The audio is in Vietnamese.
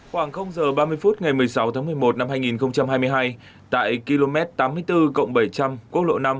khoảng giờ ba mươi phút ngày một mươi sáu tháng một mươi một năm hai nghìn hai mươi hai tại km tám mươi bốn cộng bảy trăm linh quốc lộ năm